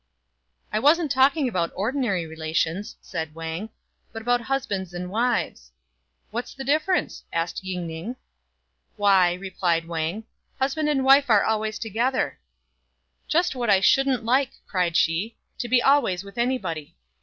" I wasn't talking about ordinary relations," said Wang, "but about husbands and wives." "What's the difference?" asked Ying ning. "Why," replied Wang, "husband and wife are always to gether." "Just what I shouldn't like," cried she, "to be always with anybody."